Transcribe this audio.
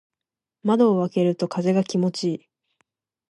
窓を開けると風が気持ちいい。